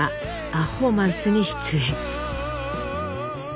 「ア・ホーマンス」に出演。